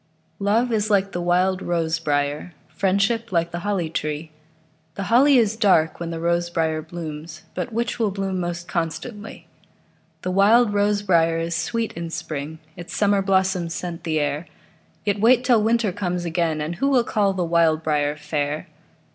Love is like the wild rose briar; Friendship like the holly tree. The holly is dark when the rose briar blooms, But which will bloom most constantly? The wild rose briar is sweet in spring, Its summer blossoms scent the air; Yet wait till winter comes again, And who will call the wild briar fair?